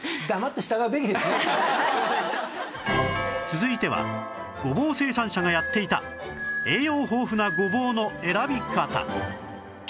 続いてはごぼう生産者がやっていた栄養豊富なごぼうの選び方